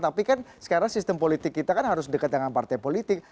tapi kan sekarang sistem politik kita kan harus dekat dengan partai politik